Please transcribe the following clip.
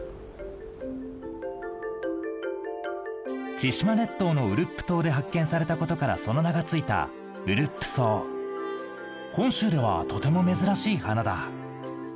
千島列島のウルップ島で発見されたことからその名が付いた本州ではとても珍しい花だ。